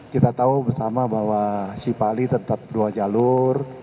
kita tahu bersama bahwa cipali tetap dua jalur